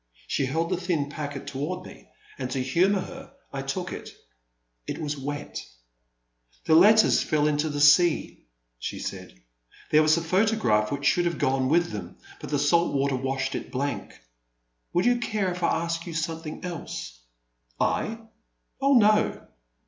She held the thin packet toward me, and to humour her I took it. It was wet. '' The letters fell into the sea, '' she said ;'* There was a photograph which should have gone with them but the salt water washed it blank. Will you care if I ask you something else ?" ''I? Oh, no."